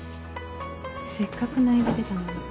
せっかく内示出たのに。